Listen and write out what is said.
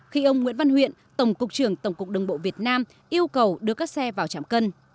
khi ông nguyễn văn huyện tổng cục trưởng tổng cục đường bộ việt nam yêu cầu đưa các xe vào trạm cân